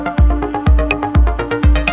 ya allah aku harus bagaimana